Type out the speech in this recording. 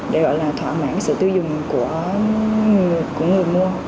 để gọi là thỏa mãn sự tiêu dùng của người mua